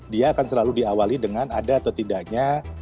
dia akan selalu diawali dengan ada atau tidaknya